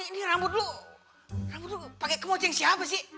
ini rambut lu rambut lu pake kemoceng siapa sih